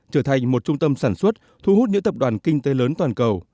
trở thành một trung tâm sản xuất thu hút những tập đoàn kinh tế lớn toàn cầu